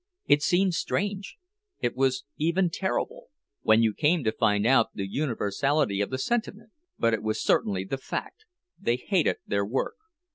It seemed strange, it was even terrible, when you came to find out the universality of the sentiment; but it was certainly the fact—they hated their work.